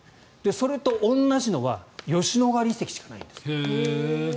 それと同じのは吉野ヶ里遺跡しかないんですって。